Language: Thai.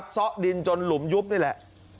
ซ่อดินจนหลุมยุบนี่แหละ